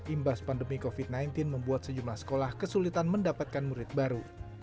imbas pandemi covid sembilan belas membuat sejumlah sekolah kesulitan mendapatkan murid baru